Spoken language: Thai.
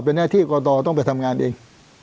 เป็นหน้าที่กรตต้องไปทำงานเอง